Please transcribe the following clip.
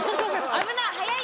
危ない！